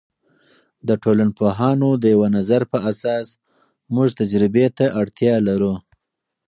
د ټولنپوهانو د یوه نظر په اساس موږ تجربې ته اړتیا لرو.